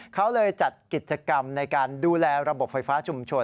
เขาเลยจัดกิจกรรมในการดูแลระบบไฟฟ้าชุมชน